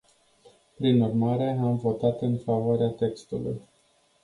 Prin urmare, am votat în favoarea textului.